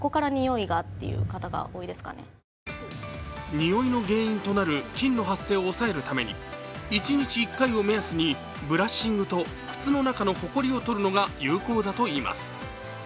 においの原因となる菌の発生を抑えるために一日１回を目安にブラッシングと靴の中のほこりを取るのが有効だといいます。